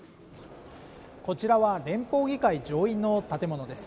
こちらは連邦議会上院の建物です